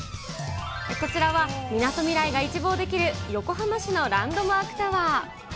こちらはみなとみらいが一望できる横浜市のランドマークタワー。